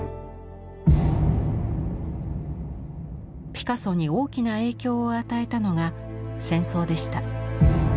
ピカソに大きな影響を与えたのが戦争でした。